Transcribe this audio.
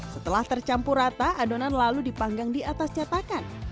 setelah tercampur rata adonan lalu dipanggang di atas catakan